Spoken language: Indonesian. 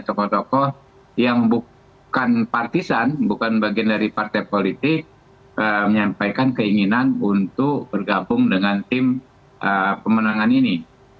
tokoh tokoh yang bukan partisan bukan bagian dari partai politik menyampaikan keinginan untuk bergabung dengan tim pemenangan ini